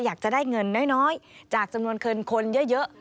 อยากจะได้เงินน้อยจากจำนวนคนเยอะ